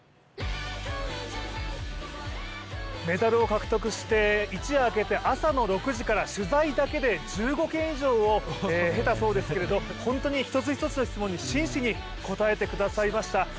メダルを獲得して一夜明けて朝の６時から取材だけで１５件以上を経たそうですけど、本当に一つ一つの質問に真摯に答えてくださいました。